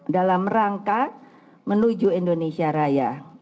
dalam rangka menuju indonesia raya